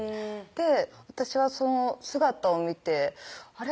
私はその姿を見てあれ？